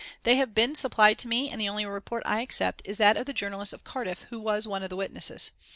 They have been supplied to me, and the only report I accept is that of the journalist of Cardiff who is one of the witnesses.